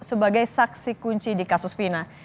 sebagai saksi kunci di kasus fina